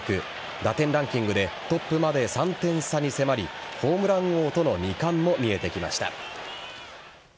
打点ランキングでトップまで３点差に迫りホームラン王との２冠も見えてきました。